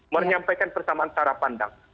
menyampaikan persamaan cara pandang